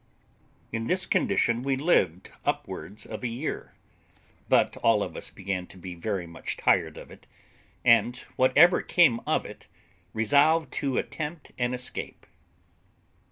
In this condition we lived upwards of a year, but all of us began to be very much tired of it, and, whatever came of it, resolved to attempt an escape.